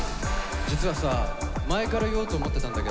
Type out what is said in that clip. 「実はさ前から言おうと思ってたんだけど」。